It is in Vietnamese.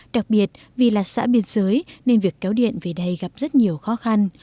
đặc biệt vì là xã biên giới nên việc kéo điện về đây gặp rất nhiều khó khăn